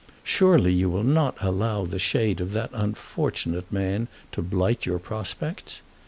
Surely you will not allow the shade of that unfortunate man to blight your prospects?